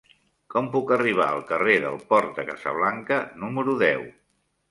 Com puc arribar al carrer del Port de Casablanca número deu?